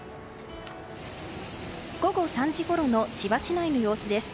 午後３時ごろの千葉市内の様子です。